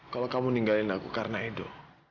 kalau kamu ninggalin aku karena edo